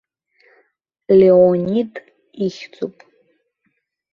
Леонид ихьӡуп.